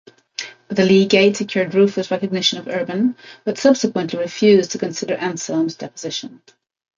The legate secured Rufus' recognition of Urban, but subsequently refused to consider Anselm's deposition.